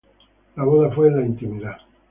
La boda fue en la intimidad.